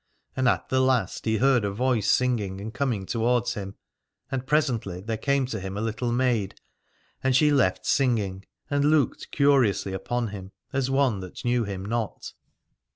And at the last he heard a voice singing and coming towards him : and presently there came to him a little maid. And she left singing, and looked curiously upon him, as one that knew him not.